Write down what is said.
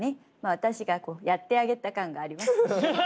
私がやってあげた感があります。